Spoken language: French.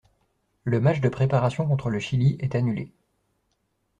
Le match de préparation contre le Chili est annulé.